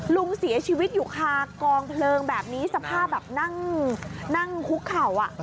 ลุงเสียชีวิตอยู่คากองเพลิงแบบนี้สภาพแบบนั่งคุกเข่า